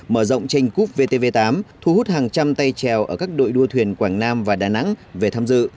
mở rộng tranh cúp vtv tám thu hút hàng trăm tay trèo ở các đội đua thuyền quảng nam và đà nẵng về tham dự